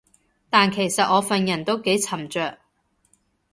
但其實我份人都幾沉着